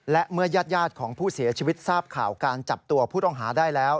และเมื่อญาติของผู้เสียชีวิตทราบข่าวการจับตัวผู้ต้องหาได้แล้ว